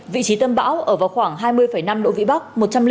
vị trí tâm bão ở vào khoảng hai mươi năm độ vĩ bắc